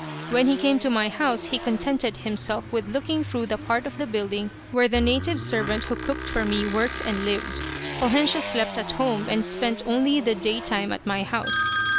When he came to my house he contented himself with looking through the part of the building where the native servant who cooked for me worked and lived. Poljensio slept at home, and spent only the daytime at my house.